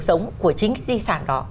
sống của chính cái di sản đó